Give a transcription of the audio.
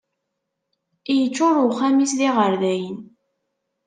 Yeččur uxxam-is d iɣerdayen.